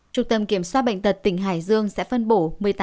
trung tâm kiểm soát bệnh tật tỉnh hải dương sẽ phân bổ